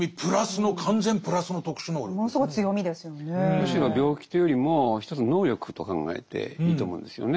むしろ「病気」というよりも一つの「能力」と考えていいと思うんですよね。